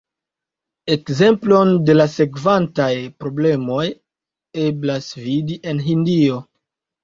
Ekzemplon de la sekvantaj problemoj eblas vidi en Hindio.